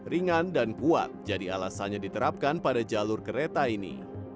ringan dan kuat jadi alasannya diterapkan pada jalur kereta ini